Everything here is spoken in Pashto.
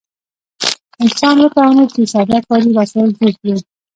انسان وتوانید چې ساده کاري وسایل جوړ کړي.